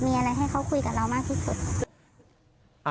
มีอะไรให้เขาคุยกับเรามากที่สุด